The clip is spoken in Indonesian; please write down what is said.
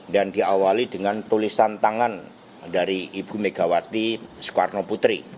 dan diawali dengan tulisan tangan dari ibu megawati soekarno putri